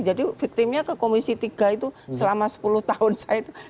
jadi viktimnya ke komisi tiga itu selama sepuluh tahun saya itu